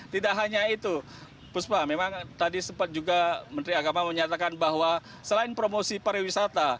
tidak hanya itu puspa memang tadi sempat juga menteri agama menyatakan bahwa selain promosi pariwisata